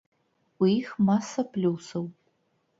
У іх маса плюсаў.